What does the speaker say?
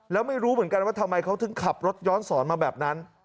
แล้วไม่รู้เหมือนกันว่าทำไมเขาถึงขับรถย้อนสอนมาแบบนั้น